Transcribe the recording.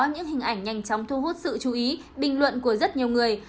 những hình ảnh nhanh chóng thu hút sự chú ý bình luận của rất nhiều người